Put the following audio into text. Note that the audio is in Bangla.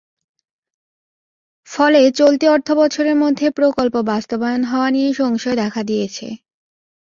ফলে চলতি অর্থবছরের মধ্যে প্রকল্প বাস্তাবয়ন হওয়া নিয়ে সংশয় দেখা দিয়েছে।